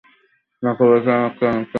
তোমাকে বলেছিলাম এটা একটা নেশা।